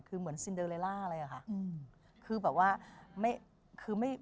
คือเหมือนซินเดอร์เลล่าเลยอะค่ะคือแบบว่าไม่คือไม่